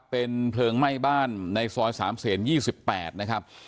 เป็นเพลิงไหม้บ้านในซอย๓เสน๒๘นะครับ